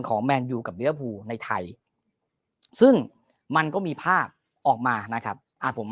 แมนยูกับเบี้ยภูในไทยซึ่งมันก็มีภาพออกมานะครับอ่าผม